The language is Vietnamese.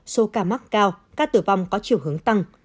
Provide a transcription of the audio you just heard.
số ca mắc cao ca tử vong có chiều hướng tăng